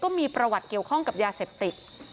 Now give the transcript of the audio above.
มีประวัติเกี่ยวข้องกับยาเสพติด